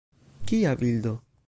Kia bildo!